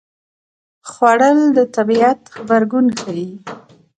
خوړل د طبیعت غبرګون ښيي